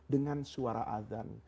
dengan suara adhan